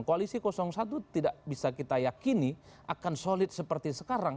koalisi satu tidak bisa kita yakini akan solid seperti sekarang